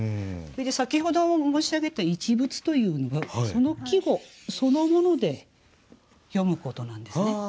それで先ほども申し上げた「一物」というのはその季語そのもので詠むことなんですね。